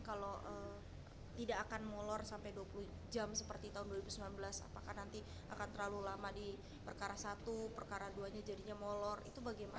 kalau tidak akan molor sampai dua puluh jam seperti tahun dua ribu sembilan belas apakah nanti akan terlalu lama di perkara satu perkara dua nya jadinya molor itu bagaimana